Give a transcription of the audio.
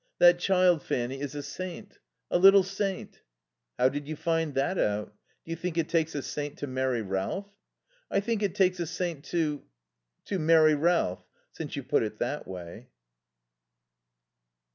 That child, Fanny, is a saint. A little saint." "How did you find that out? Do you think it takes a saint to marry Ralph?" "I think it takes a saint to to marry Ralph, since you put it that way."